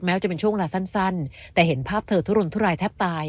จะเป็นช่วงเวลาสั้นแต่เห็นภาพเธอทุรนทุรายแทบตาย